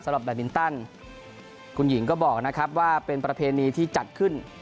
แบตมินตันคุณหญิงก็บอกนะครับว่าเป็นประเพณีที่จัดขึ้น